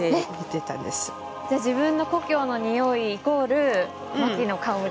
じゃあ自分の故郷のにおいイコールマキの香り？